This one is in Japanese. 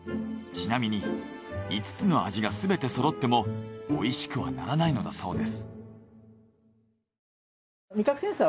ちなみに５つの味がすべてそろってもおいしくはならないのだそうです。